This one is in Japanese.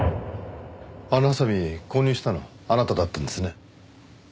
あのハサミ購入したのあなただったんですね。